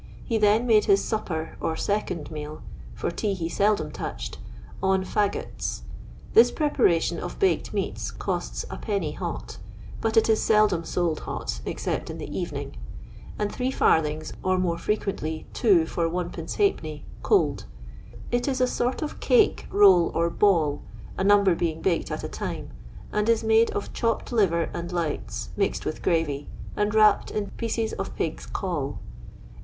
He then made his supper, ^ second meal, for tea he seldom touchec^ an *iu[ots." This preparation of baked meats cotts Id. hot but it is seldom sold hot except in the evening— and id., or more frequently two for Ijid, cold. It is a sort of cake, roll, or ball, a number being baked at a time, and is made of chopped liver and lights, mixed with gravy, and wrapped in pieces of pig*s caul.